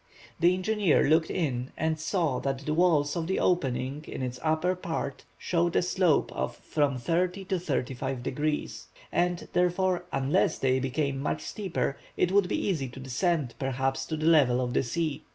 The engineer looked in and saw that the walls of the opening in its upper part showed a slope of from 30° to 35°. And, therefore, unless they became much steeper it would be easy to descend, perhaps, to the level of the sea.